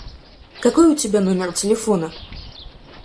Какой у тебя номер телефона?